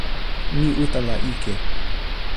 mi utala ike.